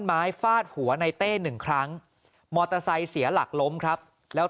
ฟาดหัวในเต้หนึ่งครั้งมอเตอร์ไซค์เสียหลักล้มครับแล้ว